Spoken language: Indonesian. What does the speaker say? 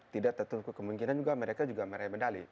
tidak tentu kemungkinan mereka meraih medali